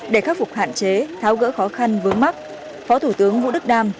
để khắc phục hạn chế tháo gỡ khó khăn vướng mắc phó thủ tướng vũ đức đam